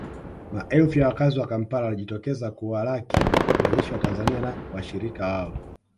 Maelfu ya wakazi wa Kampala walijitokeza kuwalaki wanajeshi wa Tanzania na washirika wao